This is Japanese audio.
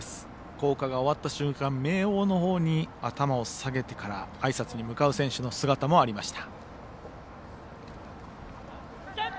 校歌が終わった瞬間明桜のほうに頭を下げてからあいさつに向かう選手の姿もありました。